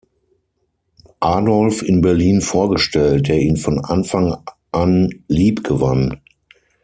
Adolf in Berlin vorgestellt, der ihn von Anfang an lieb gewann.